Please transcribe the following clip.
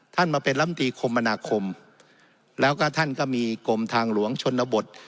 มาเป็นลำตีคมมนาคมแล้วก็ท่านก็มีกรมทางหลวงชนบท